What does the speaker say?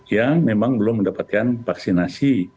yang memang belum mendapatkan vaksinasi